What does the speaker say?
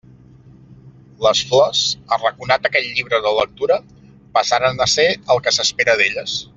Les flors, arraconat aquell llibre de lectura, passaren a ser el que s'espera d'elles.